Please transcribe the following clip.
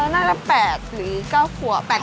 น่าจะ๘หรือ๙ขัว